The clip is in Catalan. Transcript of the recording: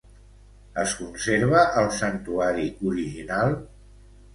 Es conserva el santuari original?